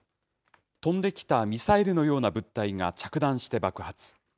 飛んできたミサイルのような物体が着弾して爆発。